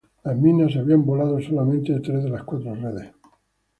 Las minas habían volado solamente tres de las cuatro redes.